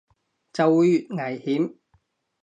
就會越危險